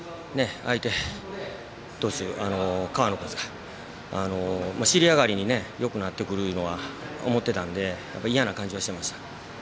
相手投手の河野君が尻上がりによくなってくると思っていたので嫌な感じはしていました。